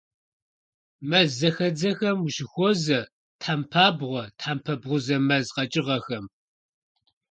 Мэззэхэдзэхэм уащыхуозэ тхьэмпабгъуэ, тхьэмпэ бгъузэ мэз къэкӀыгъэхэм.